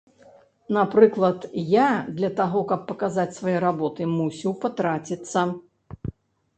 Напрыклад, я, для таго, каб паказаць свае работы, мусіў патраціцца.